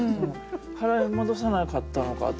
払い戻さなかったのかとか。